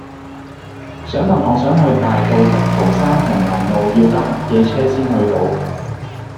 請問我想去大埔滌濤山紅林路要搭乜嘢車先去到